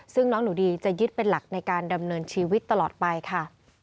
ซึ่งน้องหนูดีจะยึดเป็นหลักในการดำเนินชีวิตตลอดไปค่ะ